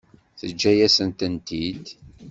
Teǧǧa-yasent-tent-id.